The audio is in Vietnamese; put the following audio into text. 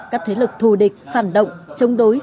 các thế lực thù địch phản động chống đối